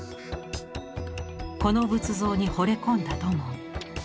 この仏像にほれ込んだ土門。